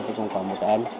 thì còn có một e